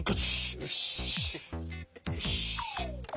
よし。